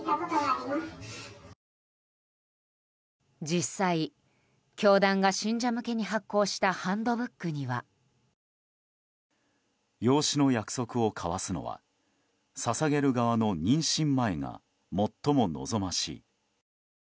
実際、教団が信者向けに発行したハンドブックには。養子の約束を交わすのは捧げる側の妊娠前が最も望ましい。